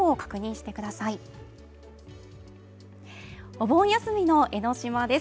お盆休みの江の島です